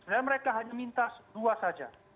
dan mereka hanya minta dua saja